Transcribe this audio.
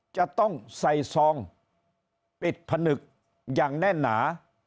จะต้องใส่ซองปิดผนึกอย่างแน่นหนา